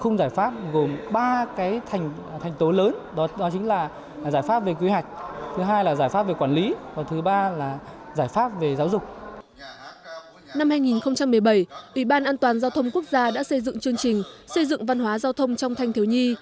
năm hai nghìn một mươi bảy ủy ban an toàn giao thông quốc gia đã xây dựng chương trình xây dựng văn hóa giao thông trong thanh thiếu nhi